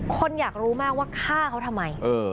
คนอยากรู้มากว่าฆ่าเขาทำไม